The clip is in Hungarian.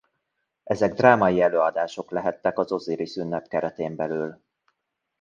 Ezek drámai előadások lehettek az Ozirisz-ünnep keretén belül.